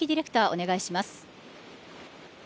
お願いします。